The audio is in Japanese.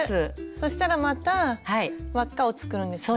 そしたらまた輪っかを作るんですよね。